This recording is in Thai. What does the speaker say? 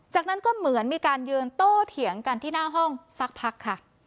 จากนั้นก็เหมือนมีการยืนโต้เถียงกันที่หน้าห้องสักพักค่ะ